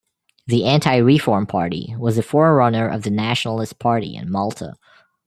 The Anti-Reform Party was the forerunner of the Nationalist Party in Malta.